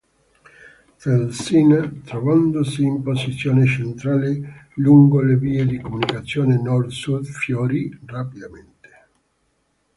Felsina, trovandosi in posizione centrale lungo le vie di comunicazione nord-sud, fiorì rapidamente.